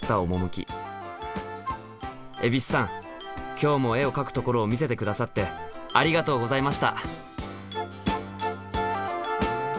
今日も絵を描くところを見せて下さってありがとうございました！